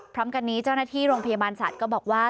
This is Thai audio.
พร้อมกันนี้เจ้าหน้าที่โรงพยาบาลสัตว์ก็บอกว่า